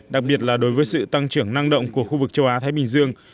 đặc biệt là đối với sự tăng trưởng năng động của khu vực châu á thái bình dương